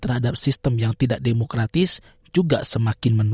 orang australia lebih kurang kemungkinan